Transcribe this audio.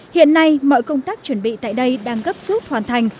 hiện nay mọi công tác chuẩn bị tại đây đang gấp rút hoàn thành